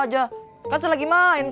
emang marah lagi sama kamu